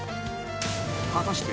［果たして］